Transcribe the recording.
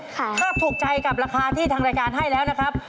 ถ้าถูกใจกับราคาที่ทางรายการให้แล้วนะครับ